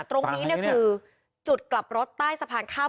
ตรงนี้คือจุดกลับรถใต้สะพานข้าม